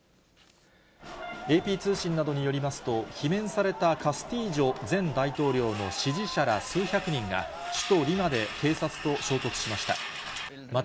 ＡＰ通信などによりますと、罷免されたカスティージョ前大統領の支持者ら数百人が、首都リマで警察と衝突しました。